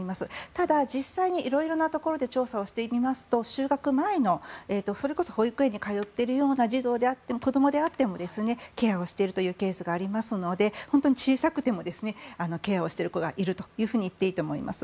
ただ実際に色々なところで調査をしてみますと就学前のそれこそ保育園に通っているような子どもであってもケアをしているというケースがありますので小さくてもケアをしている子がいると言ってもいいと思います。